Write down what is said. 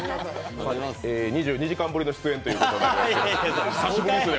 ２２時間ぶりの出演ということで久しぶりや。